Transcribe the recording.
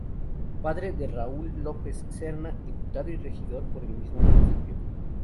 Padre de Raúl López Serna, diputado y regidor por el mismo municipio.